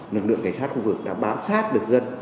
lực lượng cảnh sát khu vực đã bám sát được dân